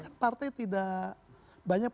kan partai tidak banyaknya